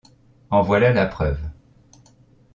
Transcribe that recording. En voilà la preuve...